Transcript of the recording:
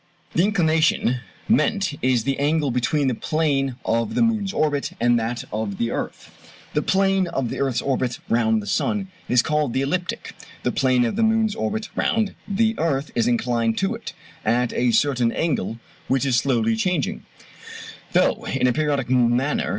The "inclination" meant is the angle between the plane of the moon's orbit and that of the earth. The plane of the earth's orbit round the sun is called the ecliptic; the plane of the moon's orbit round the earth is inclined to it at a certain angle, which is slowly changing, though in a periodic manner.